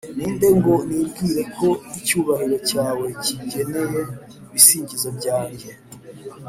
ndi nde ngo nibwire ko icyubahiro cyawe gikeneye ibisingizo byanjye